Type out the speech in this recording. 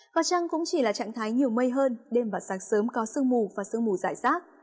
có chăng cũng chỉ là trạng thái nhiều mây hơn đêm và sáng sớm có sương mù và sương mù dài rác